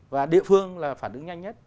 và địa phương là phản ứng nhanh nhất